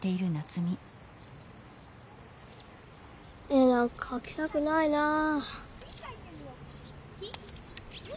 絵なんかかきたくないなあ。